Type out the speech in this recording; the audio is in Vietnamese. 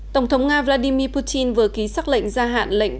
tổng thống nga vladimir putin vừa ký xác lệnh gia hạn lệnh